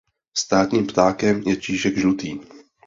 Státním ptákem je čížek žlutý.